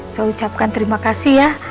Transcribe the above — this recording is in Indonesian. saya ucapkan terima kasih ya